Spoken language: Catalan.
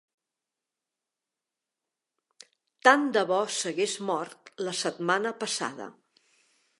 Tant de bo s'hagués mort la setmana passada!